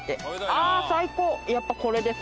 あ最高やっぱこれです